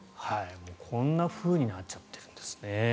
こんなふうになっちゃってるんですね。